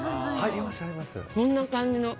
そんな感じの。